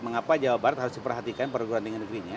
mengapa jawa barat harus diperhatikan perguruan tinggi negerinya